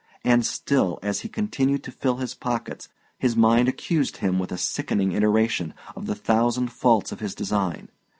And still, as he continued to fill his pockets, his mind accused him with a sickening iteration, of the thousand faults of his design.